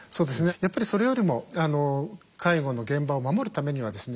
やっぱりそれよりも介護の現場を守るためにはですね